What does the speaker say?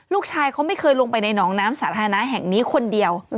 ลูกชายเขาไม่เคยลงไปในหนองน้ำสาธารณะแห่งนี้คนเดียว